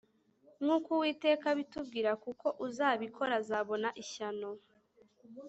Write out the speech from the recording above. Nkuko uwiteka abitubwira kuko uzabikora azabona ishyano